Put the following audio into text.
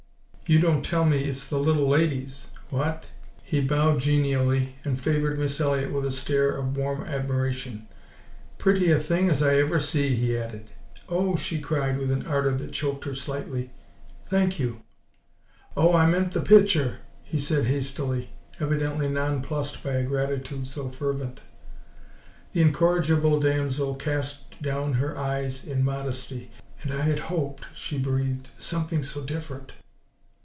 "You don't tell me it's the little lady's what?" He bowed genially and favoured Miss Elliott with a stare of warm admiration. "Pretty a thing as I ever see," he added. "Oh," she cried with an ardour that choked her slightly. "THANK you!" "Oh, I meant the PITCHER!" he said hastily, evidently nonplussed by a gratitude so fervent. The incorrigible damsel cast down her eyes in modesty. "And I had hoped," she breathed, "something so different!"